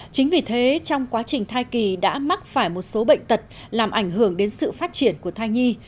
chính vì thế trong quá trình thai kỳ đã mắc phải một số bệnh tật làm ảnh hưởng đến sự phát triển của thai nhi